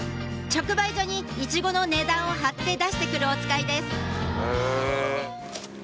直売所にイチゴの値段を貼って出して来るおつかいです